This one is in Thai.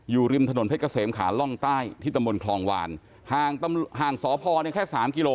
อยู่ริมถนนเพชรเกษมขาล่องใต้ที่ตำบลคลองวานห่างสพเนี่ยแค่สามกิโล